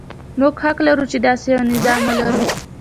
موږ حق لرو چې داسې یو نظام ولرو.